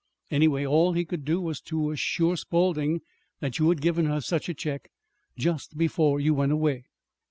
Anyway, all he could do was to assure Spawlding that you had given her such a check just before you went away."